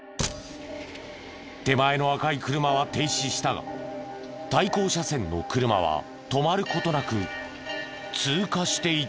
手前の赤い車は停止したが対向車線の車は止まる事なく通過していった。